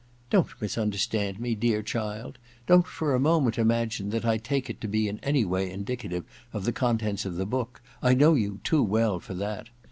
* Don*t misunderstand me, dear child ; don*t for a moment imagine that I take it to be in any way indicative of the contents of the book. I know you too well for that.